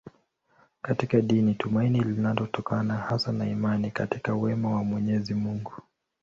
Katika dini tumaini linatokana hasa na imani katika wema wa Mwenyezi Mungu.